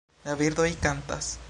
La birdoj kantas